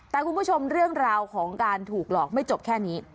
แต่คุณผู้ชมเรื่องราวของการถูกหลอกไม่จบแค่นี้